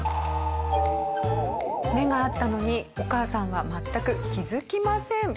目が合ったのにお母さんは全く気づきません。